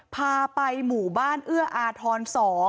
พาไปหมู่บ้านเอื้ออาทร๒